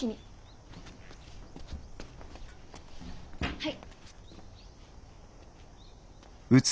はい。